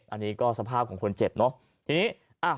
อันนี้ก็สภาพของคนเจ็บเนอะทีนี้